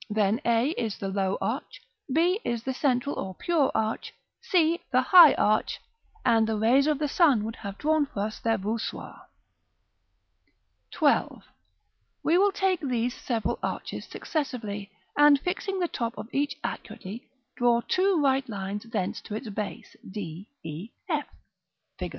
Then a is the low arch, b the central or pure arch, c the high arch, and the rays of the sun would have drawn for us their voussoirs. § XII. We will take these several arches successively, and fixing the top of each accurately, draw two right lines thence to its base, d, e, f, Fig.